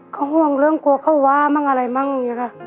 เขาห่วงเรื่องกลัวเข้าว้ามั่งอะไรมั่งอย่างนี้ค่ะ